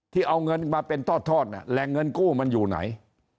ที่เอาเงินมาเป็นทอดแหล่งเงินกู้มันอยู่ไหน